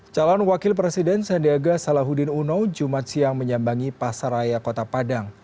calon wakil presiden sandiaga salahuddin uno jumat siang menyambangi pasaraya kota padang